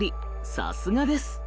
さすがです。